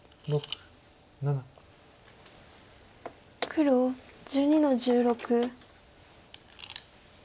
黒１２の十六。